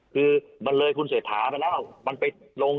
คือมันเลยคุณเศรษฐาไปแล้วมันไปลง